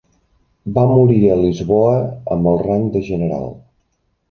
Va morir a Lisboa amb el rang de general.